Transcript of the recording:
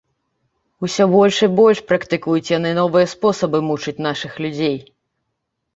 Усё больш і больш практыкуюць яны новыя спосабы мучыць нашых людзей.